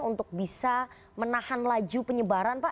untuk bisa menahan laju penyebaran pak